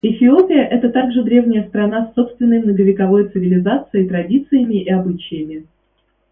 Эфиопия — это также древняя страна с собственной многовековой цивилизацией, традициями и обычаями.